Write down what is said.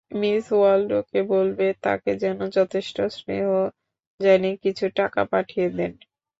Miss ওয়াল্ডোকে বলবে, তাকে যেন যথেষ্ট স্নেহ জানিয়ে কিছু টাকা পাঠিয়ে দেন।